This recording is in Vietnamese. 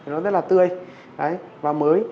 nó rất là tươi và mới